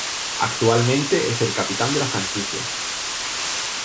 Actualmente es el capitán de la franquicia.